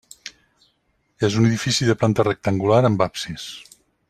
És un edifici de planta rectangular amb absis.